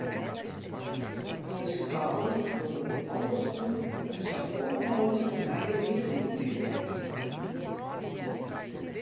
De skoallen dogge der alles oan om safolle mooglik nije learlingen binnen te heljen.